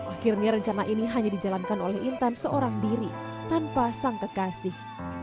akhirnya rencana ini hanya dijalankan oleh intan seorang diri tanpa sang kekasih